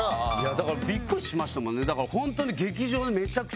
だからビックリしましたもんね。